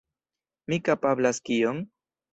Mi kapablas kion?